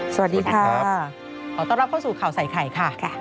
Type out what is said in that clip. สวัสดีค่ะขอต้อนรับเข้าสู่ข่าวใส่ไข่ค่ะ